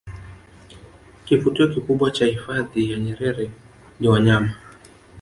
kivutio kikubwa cha hifadhi ya nyerer ni wanyama